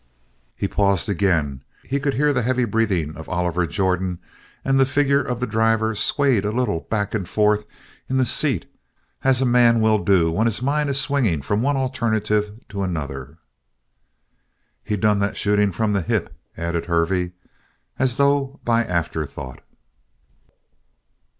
He paused again. He could hear the heavy breathing of Oliver Jordan and the figure of the driver swayed a little back and forth in the seat as a man will do when his mind is swinging from one alternative to another. "He done that shooting from the hip," added Hervey, as though by afterthought.